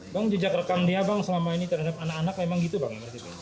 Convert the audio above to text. bang jejak rekam dia bang selama ini terhadap anak anak memang gitu bang